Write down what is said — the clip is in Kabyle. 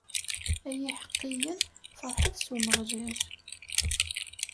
Ay iḥeqqiyen, ferḥet s Umeɣlal.